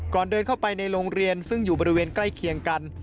เดินเข้าไปในโรงเรียนซึ่งอยู่บริเวณใกล้เคียงกัน